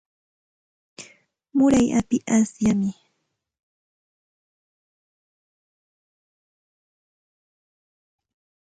Muray api asyami.